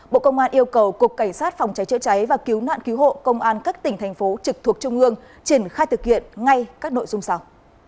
bộ công an yêu cầu cục cảnh sát phòng cháy chữa cháy và cứu nạn cứu hộ công an các tỉnh thành phố trực thuộc trung ương triển khai thực hiện ngay các nội dung sau